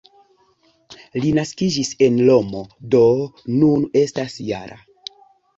Li naskiĝis en Romo, do nun estas -jara.